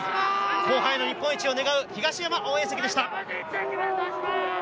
後半の日本一を狙う東山応援席でした。